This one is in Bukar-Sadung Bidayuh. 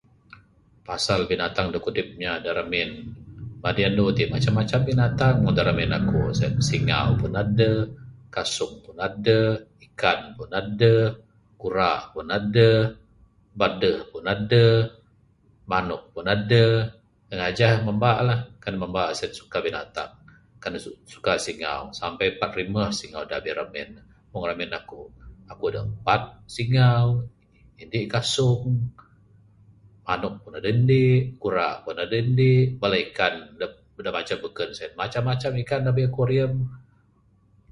Pasal binatang da kudip inya da ramin, madi andu tik macam macam binatang. Mung da ramin akuk sen, singau pun aduh, kasung pun aduh, ikan pun aduh, kura pun aduh, badeh pun aduh, manuk pun aduh, Ngajah mamba lah. Kan mamba sien suka binatang, kan ne suka singau, sampei empat rimuh singau da abih ramin. Mung da ramin akuk, akuk aduh empat singau, indi' kasung, manuk pun aduh indi', kura pun aduh indi'. Bala ikan, da banca bekun sen, macam macam ikan da abih akuarium.